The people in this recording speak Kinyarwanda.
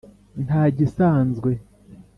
Ntagisanzwe.